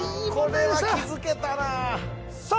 これは気づけたなさあ